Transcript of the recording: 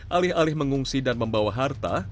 alih alih mengungsi dan membawa harta